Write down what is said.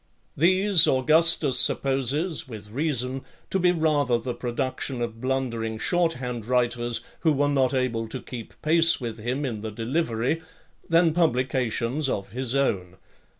These Augustus supposes, with reason, to be rather the production of blundering short hand writers, who were not able to keep pace with him in the delivery, than publications of his own.